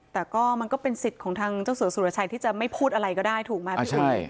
แต่ก็มันก็เป็นสิทธิ์ของทางเจ้าสัวสุรชัยที่จะไม่พูดอะไรก็ได้ถูกไหมพี่ชุวิต